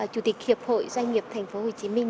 chủ tịch hiệp hội doanh nghiệp thành phố hồ chí minh